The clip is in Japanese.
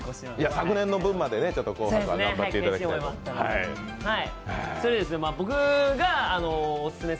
昨年の分まで頑張っていただきたいと思います。